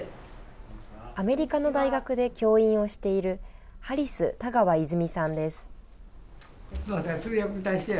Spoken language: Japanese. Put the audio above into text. アメリカの大学で教員をしている、ハリス田川泉さんです。